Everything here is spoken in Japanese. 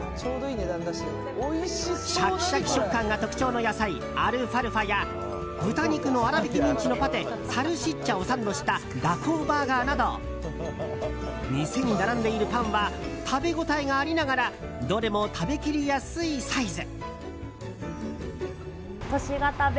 シャキシャキ食感が特徴の野菜アルファルファや豚肉の粗びきミンチのパテサルシッチャをサンドしたダコーバーガーなど店に並んでいるパンは食べ応えがありながらどれも食べ切りやすいサイズ。